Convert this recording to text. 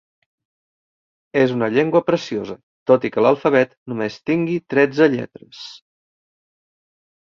És una llengua preciosa, tot i que l'alfabet només tingui tretze lletres.